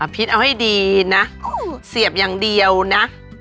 พิษเอาให้ดีนะเสียบอย่างเดียวนะ